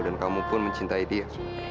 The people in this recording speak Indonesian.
dan kamu pun mencintai dia